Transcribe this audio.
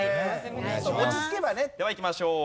ではいきましょう。